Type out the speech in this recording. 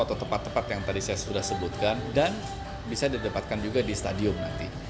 atau tempat tempat yang tadi saya sudah sebutkan dan bisa didapatkan juga di stadium nanti